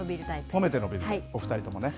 褒めて伸びる、お２人ともね。